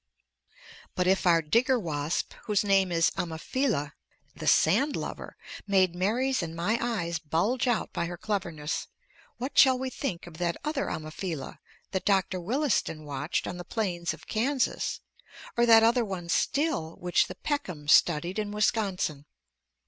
But if our digger wasp whose name is Ammophila, the sand lover made Mary's and my eyes bulge out by her cleverness, what shall we think of that other Ammophila that Dr. Williston watched on the plains of Kansas, or that other one still which the Peckhams studied in Wisconsin?